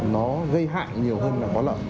nó gây hại nhiều hơn là có lợi